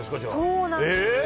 そうなんです。